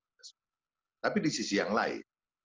kita semua tapi di sisi yang lain